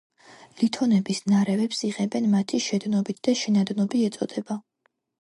ლითონების ნარევებს იღებენ მათი შედნობით და შენადნობი ეწოდება.